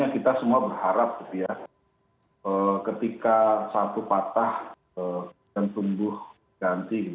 kita semua berharap ketika satu patah dan tumbuh ganti